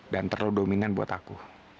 dan terlalu dominan buat aku